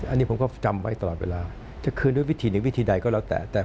อันนี้ผมก็จำไว้ตลอดเวลาจะคืนด้วยวิธีหรือวิธีใดก็แล้วแต่